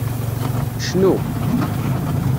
Cnu.